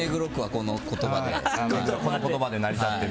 この言葉で成り立っている。